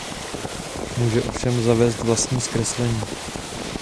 Může ovšem zavést vlastní zkreslení.